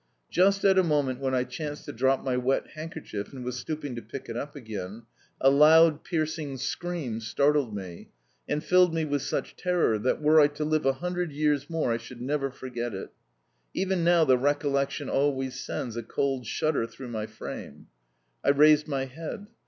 Just at a moment when I chanced to drop my wet handkerchief and was stooping to pick it up again, a loud, piercing scream startled me, and filled me with such terror that, were I to live a hundred years more, I should never forget it. Even now the recollection always sends a cold shudder through my frame. I raised my head.